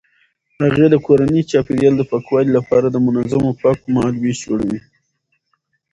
هغې د کورني چاپیریال د پاکوالي لپاره د منظمو پاکولو مهالویش جوړوي.